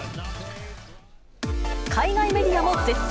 海外メディアも絶賛。